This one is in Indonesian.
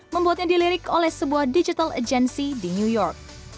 membuatnya dilirik oleh sebuah digital agency di new york